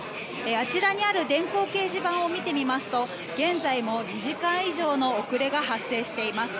あちらにある電光掲示板を見てみますと現在も２時間以上の遅れが発生しています。